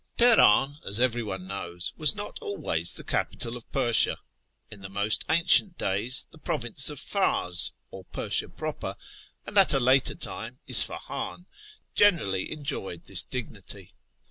Teheran, as everyone knows, was not always the capital of Persia. In the most ancient days the province of Ears, or Persia proper, and at a later time Isfahan, generally enjoyed this dignity.